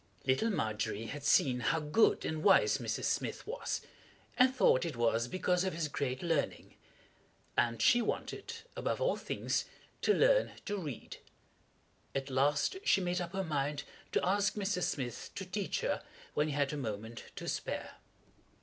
] Little Margery had seen how good and wise Mr. Smith was, and thought it was because of his great learning; and she wanted, above all things, to learn to read. At last she made up her mind to ask Mr. Smith to teach her when he had a moment to spare.